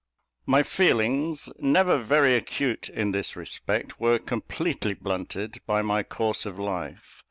My feelings, never very acute in this respect, were completely blunted by my course of life.